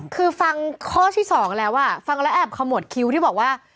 คือฟังข้อที่๒แล้วฟังแล้วแอบขมวดคิ้วที่บอกว่า